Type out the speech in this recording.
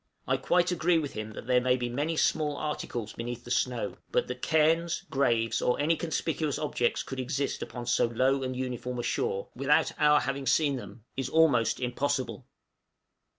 I quite agree with him that there may be many small articles beneath the snow; but that cairns, graves, or any conspicuous objects could exist upon so low and uniform a shore, without our having seen them, is almost impossible.